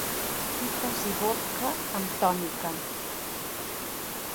Pipes i vodka amb tònica.